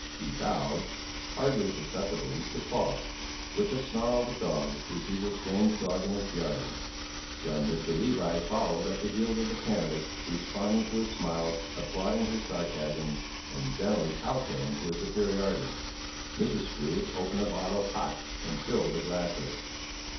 He bowed, hardly perceptibly, to Falk, with the snarl of a dog who sees a strange dog in its yard. Young Mr. Levi followed at the heels of the candidate, responding to his smiles, applauding his sarcasms, and generally kow towing to his superiority. Mrs. Struve opened a bottle of hock and filled the glasses.